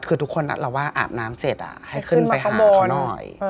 คือทุกคนนัดเราว่าอาบน้ำเสร็จให้ขึ้นไปหาเขาหน่อย